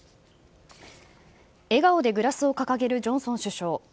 笑顔でグラスを掲げるジョンソン首相。